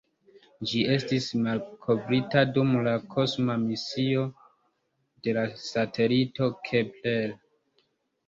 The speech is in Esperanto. Ĝi estis malkovrita dum la kosma misio de la satelito Kepler.